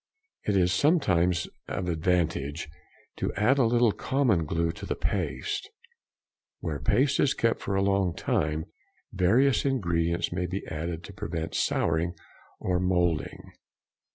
It is sometimes of advantage to add a little common glue to the paste. Where paste is kept for a long time, various ingredients may be added to prevent souring and moulding.